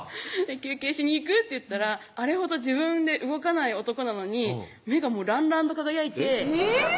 「休憩しに行く？」って言ったらあれほど自分で動かない男なのに目がもうらんらんと輝いてえぇ？